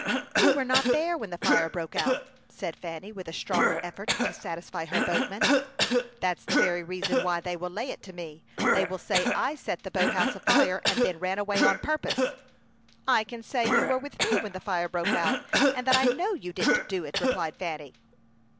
"You were not there when the fire broke out," said Fanny, with a strong effort to satisfy her boatman. "That's the very reason why they will lay it to me. They will say I set the boat house afire, and then ran away on purpose." "I can say you were with me when the fire broke out, and that I know you didn't do it," replied Fanny.